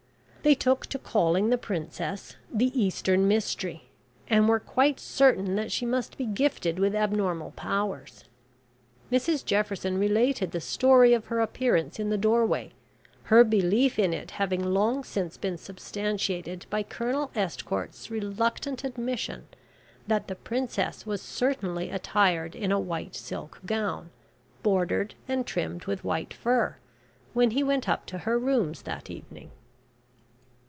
They took to calling the Princess "the Eastern mystery," and were quite certain that she must be gifted with abnormal powers. Mrs Jefferson related the story of her appearance in the doorway, her belief in it having long since been substantiated by Colonel Estcourt's reluctant admission that the Princess was certainly attired in a white silk gown, bordered and trimmed with white fur, when he went up to her rooms that evening.